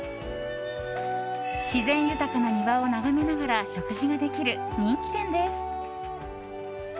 自然豊かな庭を眺めながら食事ができる人気店です。